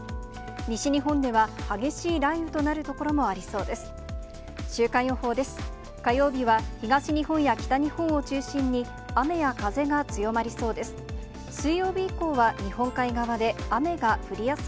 西日本では、激しい雷雨となる所もありそうです。